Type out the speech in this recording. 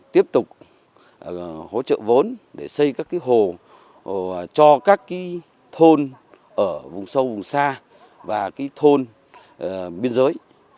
tiếp tục hỗ trợ vốn để xây các cái hồ cho các cái thôn ở vùng sâu vùng xa và cái thôn biên giới